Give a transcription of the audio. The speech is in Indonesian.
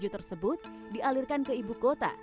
tujuh tersebut dialirkan ke ibu kota